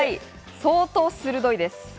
相当、鋭いです。